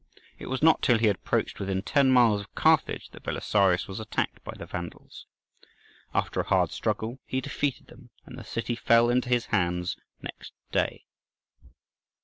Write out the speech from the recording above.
It was not till he had approached within ten miles of Carthage that Belisarius was attacked by the Vandals. After a hard struggle he defeated them, and the city fell into his hands next clay.